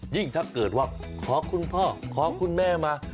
ถ้าเกิดว่าขอคุณพ่อขอคุณแม่มา